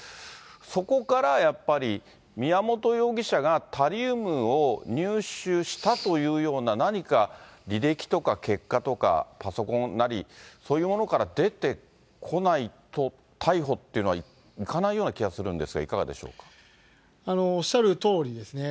そこからやっぱり宮本容疑者がタリウムを入手したというような何か履歴とか結果とか、パソコンなり、そういうものから出てこないと、逮捕っていうのはいかないような気がするんですが、いかがでしょおっしゃるとおりですね。